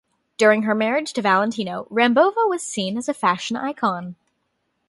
During her marriage to Valentino, Rambova was seen as a fashion icon.